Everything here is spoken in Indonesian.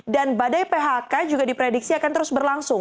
dan badai phk juga diprediksi akan terus berlangsung